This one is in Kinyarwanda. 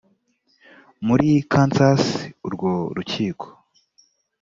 muri kansas urwo rukiko